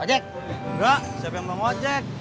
enggak siapa yang bawa ojek